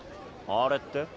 あれって？